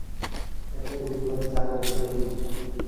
একটা গুলি ভরে চাকা ঘুরিয়ে দেই।